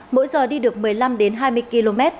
mỗi giờ đi được một mươi năm đến hai mươi km